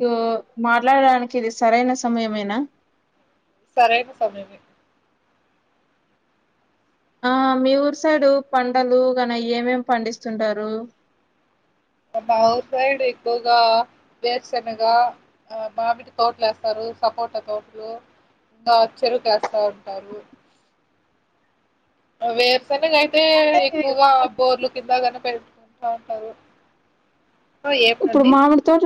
So మాట్లాడడానికి ఇది సరైన సమయమేనా సరైన సమయమే ఆ మీ ఊరు సైడు పంటలు గన ఏమేం పండిస్తుంటారు మా అవుట సైడ్ ఎక్కువగా వేర్శనగా మామిడి తోటలే వేస్తారు సపోట తోట్లు ఇంకా చెరుకు వేస్తా ఉంటారు వేరు శనగ అయితే అంటే ఎక్కువగా బోర్లు కిందగానే పెడతాము బా ఉంటారు ఆ, ఇప్పుడు ఏమండి మామిడి తోట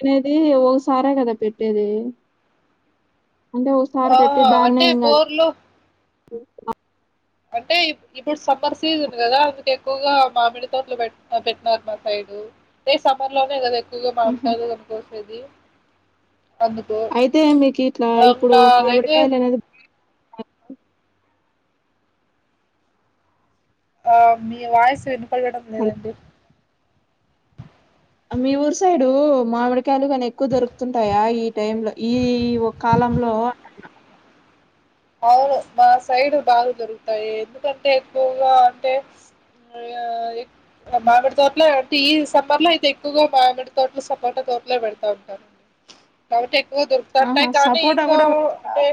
అనేది ఒసారె కదా పెట్టేది అంటే ఒకసారి ఆ పెట్టి దాన్నే అంటే ఇంకా బోర్లు ఉ అంటే ఇప్పుడు సమ్మర్ సీజన్ కదా అందుకె ఎక్కువగా మామిడి తోటలు పెడ్తారు ఆహా పంటలు కక వసేది అయితే మీకు ఇట్లా ఆ, ఇప్పుడు ఇంకా అదైతే మామిడికాయలు అనేది ఆ మీ వయిసు వెను పడడం లేదంటడి మీ ఊరు సైడు మామిడికాయలు కానీ ఎక్కువ దొరుకుతుంటాయా ఈ టై లో ఈ ఒక కాలంలో అవును మా సైడ్ బాగా దొరుకుతాయి ఎందుకంటే ఎక్కువగా అంటే ఆ మామిడి తోటలే అంటే ఈ సమ్మర్ లో అయితే ఎక్కువగా మామిడి తోటల సపోట తోటలే పెడతా ఉంటానడి కాబట్టి ఆహా దొరుకుతుంటేయి కానీ సపోటా ఇంకా కూడా పెడతారా అంటే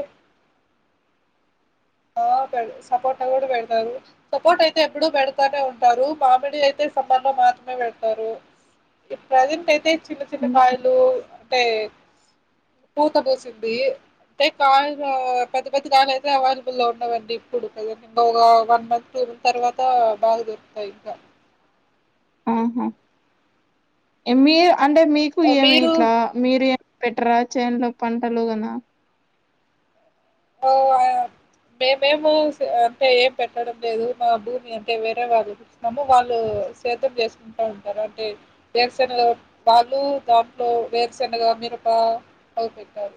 ఆ పె సపోర్ట్ కూడా పెడతారు సపోర్ట్ అయితే ఎప్పుడ పెడతానే ఉంటారు మామిడీ అయితే సమాన్ లో మాత్రమే పెడతారు ప్రజెంట్ అయితే చిన్న చిన్న కాయలు అంటే పూత పోసింది అంటే కాలు పది పది కాలు అయితేవళ ల్లో ఉండవండి ఇప్పుడు కదంకా ఒక వన్ మంత్ టూ మంత్ తర్వాత బాగా దొరుకుతాయి ఇంకా ఆహా ఏమి అంటే మీకు ఏమి మీరు ఇట్లా మీరు ఏం పెట్టరా చేన్లో పంటలు కద ఓ మేమేమ అంటే ఏం పెట్టడం లేదు మా భూమి అంటే వేరే వాళ్ళు చస్తున్నాము వాళ్ళు సద్ధం చేసుకుంటా ఉంటారు అంటే వేరుసెనగా వాళ్ళు దాంట్లో వేరుశెనగా మిరప అవి పెట్టారు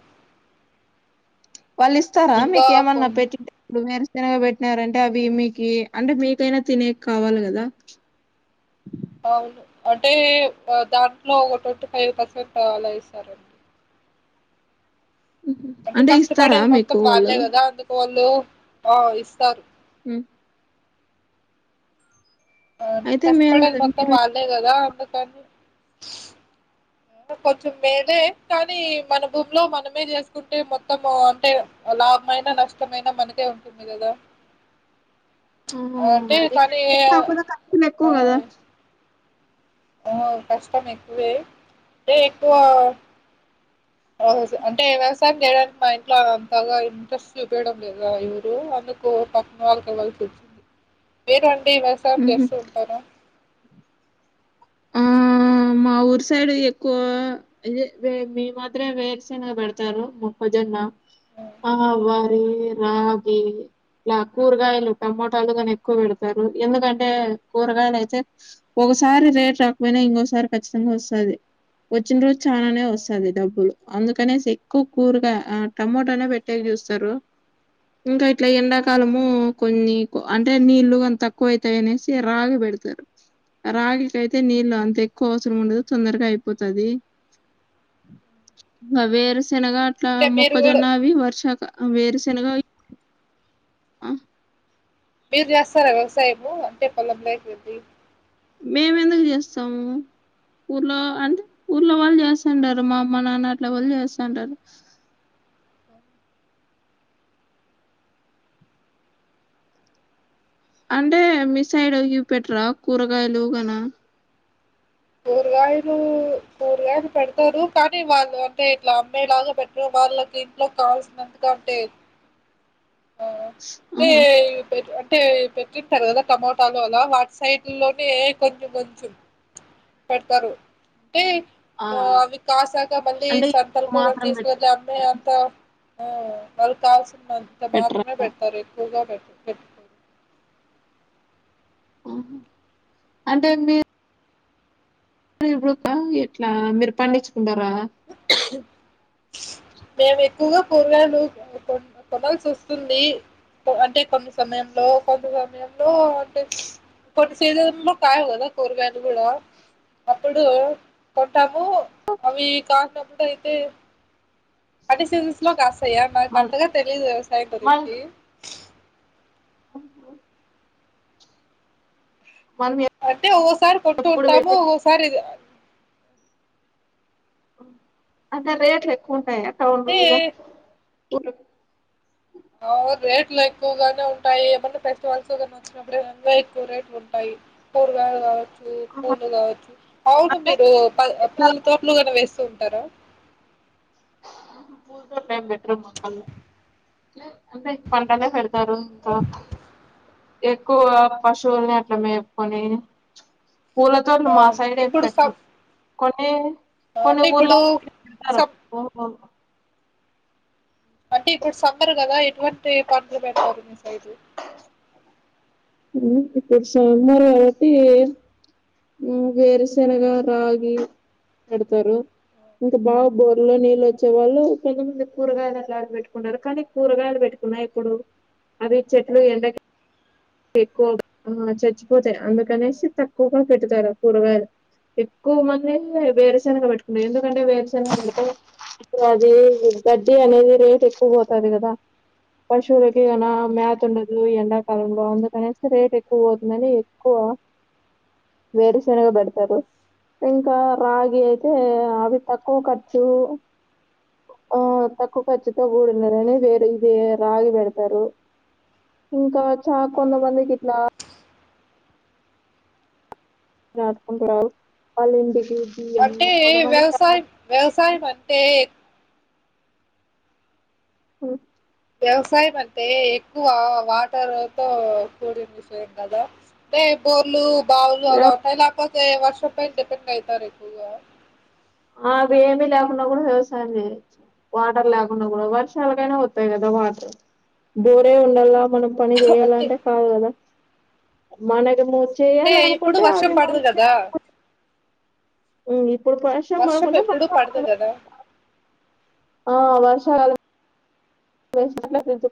వాళ్ళు ఇస్తారా ఇంకా కొ మీకేమన్నా పెట్టి ఇప్పుడు మీేరు తినగ పెట్టినార అంటే అవి మీకు అంటే మీకైనా తినే కావాలి కదా అవును అంటే దాంట్లో ఒక ట్వంటీ ఫైవ్ పర్సెంట్ అలా ఇస్తారండి హుహు. అంటే ఇస్తారా కష్టపడేది మొత్తం మీకు వాళ్ళు వాళ్ళే కదా అందుకు వాల్ లో ఆ ఇస్తారు హు ఆ అంటే అయితే మేలు కష్టపడేది కదా మొత్తం మీరు వాళ్ళే కదా అందు టను కొంచెం మేలే, కానీ మన భూమిలో మనమే చేసుకుంటే మొత్తము అంటే లాభమైనా, నష్టమైనా మనకే ఉంటుంది కదా. ఆ అంటే అదే కానీ ఖర్చులెక్కువ కదా ఉ కష్టం ఎక్కువే అంటే ఎక్కువ, ఆహ్ అంటే వ్యవసాయం చేయడానికి మా ఇంట్లో అంతగా ఇంట్రెస్ట్ చూపియడం లేదు ఎవరు. అందుకు పక్కన్ వాళ్ళకివాల్సి వచ్చింది. మీరన్ డి వ్యవసాయం ఉహు చేసు ఉంటర ఆ మా ఊరు సైడ్ ఎక్కువ అయే వే మీ మాత్రమే వేరుశనగా పెడతారు. మొక్కజొన్న, ఆ ఆ! వరి, రాగి, ఇలా కూరగాయలు, టమోటాలు గాని ఎక్కువ పెడతారు. ఎందుకంటే, కూరగాయలయితే ఒకసారి రేట్ రాకపోయిన ఇంగోసారి ఖచ్చితంగా వస్తది. వచ్చిన్ రోజ్ చాలనే వస్సాది డబ్బు అందుకనేసి ఎక్కు కూరగా ఆ టమోటనే పెట్టేకి చూస్తరు. ఇంకా ఇట్లా ఎండాకాలము కొన్ని అంటే నీళ్ళు కానీ తక్కువ అయితాయి అనేసి రాగి పెడతరు. రాగికయి తే నీళ్ళు అంత ఎక్కువ అవసరం ఉండదు. తొందరగా అయిపోతది. ఇంగ వేరు సే శనగా అట్ల, అంటే మీరు కూడా మొక్కజొన్న అవి వర్షక ఆ వేరు శెనగా ఆ మీరు చేస్తారా వ్యవసాయము, అంటే పొలం లేకి వెళ్ళి? మేము ఎందుకు చేస్తాము, ఊర్లో అంటే ఊర్లో వాళ్ళు చేస్తుంటరు. మా అ మా నాన్న అట్లా వాళ్ చేస్తుంటారు. అంటే మీ సైడ్ ఇవ్ పెట్రా, కూరగాయలు గన? కూరగాయలు కూరగాయలు పెడతారు. కానీ, వాళ్ళు అంటే ఇట్లా అమ్మే లాగా పెట్టరు వాళ్ళకి ఇంట్లో కావాల్సినందుక అంటే ఓ ఏ ఆహా పెట్ టే పెట్టింటారు కదా టమోటాలు అలా. వాట్ సైట్ లోనే కొంచెం కొంచెం పెడ్తారు. అంటే ఆ అవి కాసాక, మళ్ళీ అంటే ఇవి సంతలకు ఒకర్ మాత్రం పెట్ తీసుకువెల్లి అమ్మీ అంత ఉ వాల్ కావాల్సిన్ ఇట్ల పెట్రా మాత్రమే పెడతారు ఎక్కువగా పె పెట్టుకో ఆహ్ అంటే మీ ఇప్పుడు ఆ ఎట్ల మీరు పండి డరా మేమీ కువా కూరగాయలు కొ కొనాల్సి వస్తుంది. అంటే కొన్ని సమయంలో కొంత సమయంలో అంటే కొన్ని సీజన్ లో కాయవు కదా కూరగాయలు కూడా, అప్పుడు కొంటాము. అవి కానపుడు అయితే అన్ని సీజన్స్ లో కాస్తాయ? నాకు మన అంతగా తెలియదు వ్యవసాయం మన గురించి. మనం అంటే ఓసారి కొంటూ ఎప్పుడు వెళ్ళ ఉంటాము ఓసారి ఇది అంటే రేట్లు ఎక్కువ ఉంటాయ? టౌన్లో అంటే కుడా త రేట్లు ఎక్కువగానే ఉంటాయి ఏమన్నా ఫెస్టివల్స్ వచ్చినప్పుడే ఎక్కువ రేట్లు ఉంటాయి కూరగాయలు కావచ్చు పూలు కావచ్చు అవును అంటే మీరు పూల తోపులు కనే వేస్తు తార పతు బెటర్ మొక్కలు అంటే పంటనే పెడతారు ఇంకా ఎక్కువ పశువుల్ని అట్లా మేపుకొని పూలతో ను మా అవును సైడ్ ఏం ఇప్పుడు స పెట్టరు కొనే కొన్ని అంటే ఊర్లో ఇప్పుడు ఆమ్ స అంటే ఇప్పుడు సమ్మరు కదా ఎటువంటి పజ పతారుంది సార్ ఇది ఇప్పుడు సమారు కాబట్టి వేరుశనగా రాగి పెడతారు ఇంకా బాగా బోర్లో నీళ్ళు వచ్చే వాళ్ళు కొంతమంది కూరగాయలు అట్లాంటి పెట్టుకున్నారున్నారు కానీ కూరగాయలు పెట్టుకున్నా ఇప్పుడు అది చెట్లు ఎండ ఎక్కువ ఆ చచ్చిపోతాయి అందుకనేసి తక్కువగా పెట్తారు కూరగాయలు ఎక్కువ మంది వేరుశనగ పెట్టుకుంటారు ఎందుకంటే వేరుశెనగ పెడితే ఇప్పుడు అది గడ్డి అనేది రేట్ ఎక్కువ పోతుంది కదా పశువులకి కన ఆ, మేత ఉండదు ఎండాకాలం ఉ బాగుంది కనీ రేట్ ఎక్కువ పోతుందని ఎక్కువ వేరు శనగా పెడతారు ఇంకా రాగి అయితే అవి తక్కువ ఖర్చు ఆ తక్కువ ఖర్చుతో కూడిన్నదని వేరే ఇది రాగి పెడతారు ఇంకా చా కొంతమందికట్లా నాథ కురావ పాలింబకి అంటే వ్యవసాయం వ్యవసాయం అంటే ఓ వ్యవసాయం అంటే ఎక్కువ వాటర్ తో కూడిన విషయం కదా అంటే బోర్లు బవులు వ్యవ అలా అే వర్షం పై డిపెండ్ అవుతారు ఎక్కువగా అవి ఏమీ లేకుండా కూడా వ్యవసాయం చేయచ్చు వాటర్ లేకుండా కూడా వర్షాలకైనా వతాయి కదా వాటర్ బోరే ఉండలా మనం పని అంటే చేయాలంటే కాదు కదా మనగా మూ అంటే ఎప్పుడు వర్షం పడదు కదా ఇప్పుడు ప్రషం మకు వర్షం ఎప్పుడు పడదు కదా ఆ వర్షం చాల తకుదు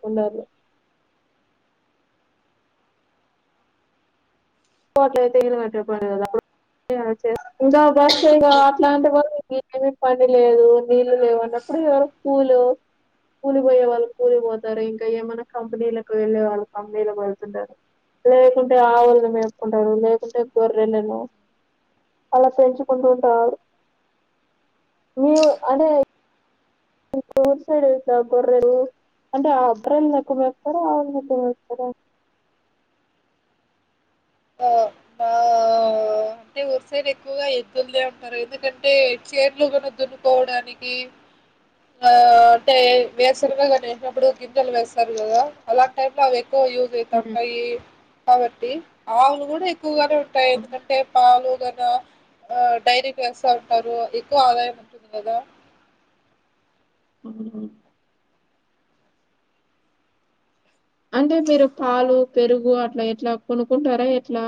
అట్లయితే ఏన కట్టే పని కదా అప్పుడు ఇంకా బర్ష ఇ అట్లాంటి వాళ్ళ ఏమమి పని లేదు నీళ్ళు లేవు అన్నప్పుడుళ కూలు కూలిపోయే వాళ్ళు కూలిపోతారు ఇంకా ఏమైనా కంపెనీలకు వెళ్ళే వాళ్ళు కంపెనీకి వెళ్తుంటారు లేకుంటే ఆవుల మే ఉంటాడు లేకుంటే గొర్రెలను అలా పెంచుకుంటూ ఉంటాడు మీ అంటే ర్సడేా కూడే అంటే అప్రల్ నకు వస్తారా ఆళకు వస్తారా ఓ బ రు సైడ్ ఎక్కువగా ఎద్దులు ఉంటారు ఎందుకంటే చీర్లు మన దున్నుకోవడానికి అంటే వేసగానిప్పుడు గింజెలు వేస్తారు కదా అలా టై లో అ యూజ్ అయిత ఉంటాయి కాబట్టి ఆవులు కూడా ఎక్కువగానే ఏందుకంటే పాలు డైరీ కేస్తా ఉంటారు ఎక్కువ ఆదాయం ఉంటుంది కదా ఉ అంటే మీరు పాలు పెరుగు అట్ల ఎట్లా కొనుకుంటారా ఎట్లా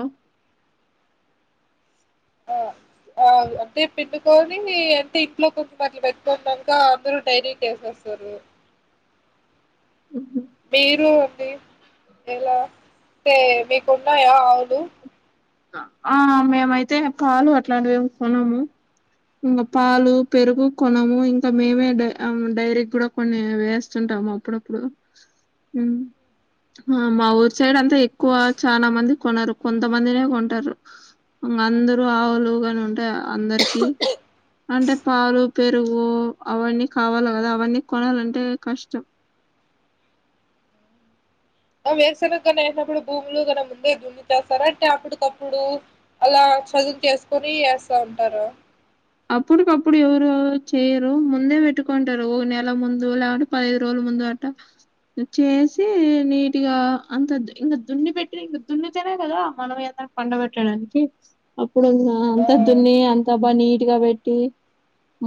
ఆ అంటే పిండుకొని అంటే ఇంట్లో కొంచం అట్ల పెట్టుకున్నాక అందరు డైరీ కి వేసేస్తారు హు హు మీరు అండి ఎలా అంటే మీకు ఉన్నాయా ఆవులు ఆ మేమైతే పాలు అట్లాంటివి ఏమి కొనము ఇంకా పాలు పెరుగు కొనము ఇంకా మేమే ఆ డైరీ కూడా కొన్ని వేస్తుంటాము. అప్పుడప్పుడు మ్మ్ మా ఊరు సైడ్ అంతా ఎక్కువ చానా మంది కొనరు కొంతమందే కొంటారు. ఇంగ అందరకి ఆవులు ఉంటాయి అంటే పాలు పెరుగు అవన్నీ కావాలి కదా అవన్నీ కొనాలంటే కష్టం వేరుశనగనే వేసినప్పుడు భూములు ముందే దున్ని చేస్తారా అంటే అప్పటికప్పుడు అలా చదువు చేసుకొని వేస్తా ఉంటారా అప్పుటికప్పుడు ఎవరు చేయరు ముందే పెట్టుకుంటారు ఒక నెల ముందు లేకుంటే పది రోజుల ముందు అట్ట చేసి నీట్గా అంత ఇంగ దున్ని పెట్టి ఇంకా దున్నితేనే కదా మనం ఏ పండ పెట్టడానికి అప్పుడు ఆ అంత దున్ని అంత బనీ గా పెట్టి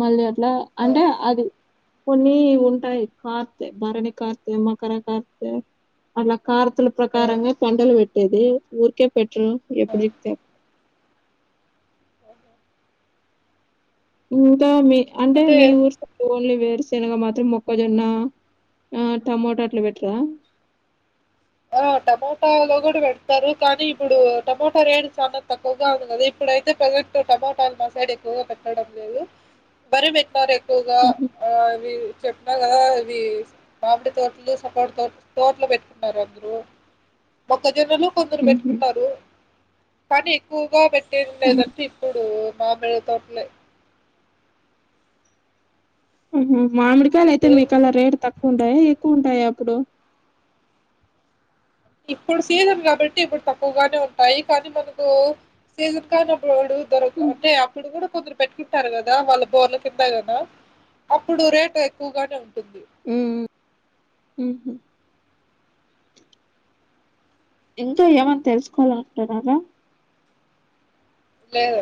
మళ్ళీ అట్లా ఆ అంటే అది కొన్ని ఉంటాయి కార్తేె బరని కార్తేె మకర కార్తేె అట్లా కార్తే ఆ ప్రకారంగా ఆ కొండలు బెట్ ఏది ఊర్కే పెట్టు ఓహో! ఎప్పుడు హ్మ్. చెప్పితే అప్ ఇంకా మీ అంటే మీ ఊర్స్ తో ఓన్లీ వేరుశనగ మాత్రం మొక్కజొన్న ఆ అ టమటా అట్ల పెట్టరా ఆ టమాటాతోట కూడా పెడతారు. కానీ ఇప్పుడు టమాటా రేటు చాలా తక్కువగా ఉన్నది. ఇప్పుడయితే ప్రజెంట్ టమాటాలు మా సైడ్ ఎక్కువగా పెట్టడం లేదు మరి మీ సైడ్ తక్కువగా హుహు. ఆ అవి చెప్పా కదా ఇవి మామిడి తోటలు, సపోట తోటలు పెట్టుకున్నారు అందరు మ్మ్ మొక్కకి జొన్నలు కొందరు హుహు. పెట్టుకుంటారు కానీ ఎక్కువగా బెట్ ఏం హ్మ్. లేదంటే ఇప్పుడు మామిడి తోటలే మ్మ్ హ్హ్ మామిడి కాయాలు అయితే ఏం మీకెళ్ళి రేటు తక్కువుంటాయా ఎక్కువుంటా యే అప్పుడు ఇప్పుడు సీజన్ కాబట్టి ఇప్పుడు తక్కువగానే ఉంటాయి. కానీ మనకు సీజన్ కానప్పుడు వాడు దొరకవు హ్మ్. అంటే అప్పుడు కూడా కొందరు పెట్టుకుంటారు కదా వాళ్ళకు బోర్ల కింద కదా అప్పుడు రేటు ఎక్కువగానే ఉంటుంది మ్మ్ హు ఇంకా ఏమన్నా తెలుసుకోవాలను కుంటున్నారా లేదు